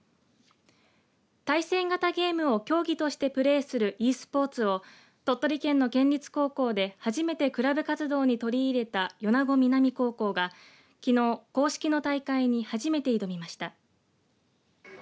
対戦型ゲームを競技としてプレーするｅスポーツを鳥取県の県立高校で初めてクラブ活動に取り入れた米子南高校が、きのう公式の大会に初めて挑みました。